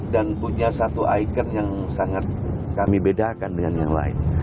dan punya satu ikon yang sangat kami bedakan dengan yang lain